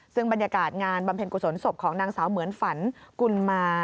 ซึ่งบรรยากาศงานบำเพ็ญกุศลศพของนางสาวเหมือนฝันกุลมา